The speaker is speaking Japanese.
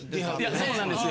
そうなんですよ。